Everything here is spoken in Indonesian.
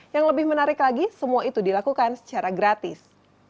yang lebih menarik lagi semua itu dilakukan secara gratis